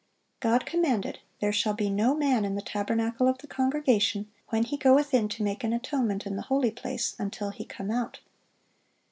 God commanded, "There shall be no man in the tabernacle of the congregation when he goeth in to make an atonement in the holy place, until he come out."